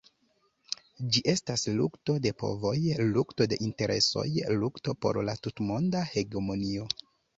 Ĝi estas lukto de povoj, lukto de interesoj, lukto por la tutmonda hegemonio.